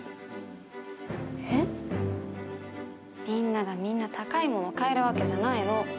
みんながみんな高いもの買えるわけじゃないの。